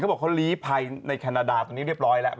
บอกเขาลีภัยในแคนาดาตรงนี้เรียบร้อยแล้ว